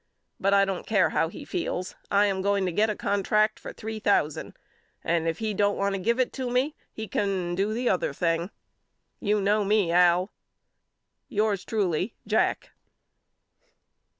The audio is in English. But I don't care how he feels. I am going to get a contract for three thousand and if he don't want to give it to me he can do the other thing. You know me Al. Yours truly, JACK.